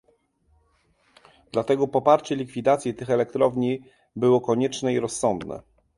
Dlatego poparcie likwidacji tych elektrowni było konieczne i rozsądne